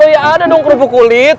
ya ada dong kerupuk kulit